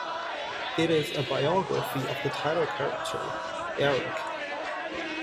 It is a biography of the title character, Erik.